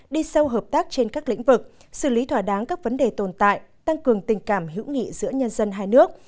đi sâu hợp tác trên các lĩnh vực xử lý thỏa đáng các vấn đề tồn tại tăng cường tình cảm hữu nghị giữa nhân dân hai nước